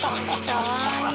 かわいい。